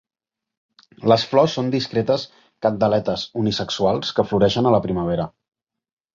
Les flors són discretes candeletes unisexuals que floreixen a la primavera.